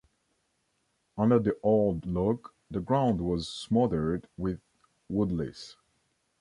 Under the old log the ground was smothered with woodlice.